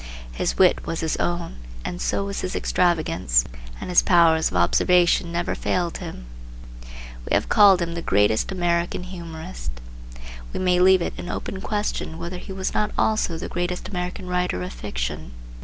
His wit was his own, and so was his extravagance, and his powers of observation never failed him. We have called him the greatest American humorist. We may leave it an open question whether he was not also the greatest American writer of fiction.